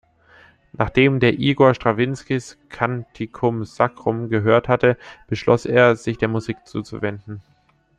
Nachdem er Igor Strawinskys "Canticum Sacrum" gehört hatte, beschloss er, sich der Musik zuzuwenden.